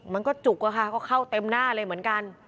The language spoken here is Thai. มันก็จุกอะค่ะก็เข้าเต็มหน้าเลยเหมือนกัน